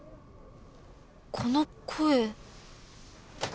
この声